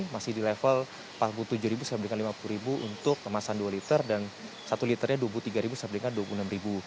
masih di level rp empat puluh tujuh sampai dengan rp lima puluh untuk kemasan dua liter dan satu liternya rp dua puluh tiga sampai dengan rp dua puluh enam